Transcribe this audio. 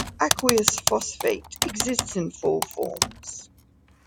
Aqueous phosphate exists in four forms.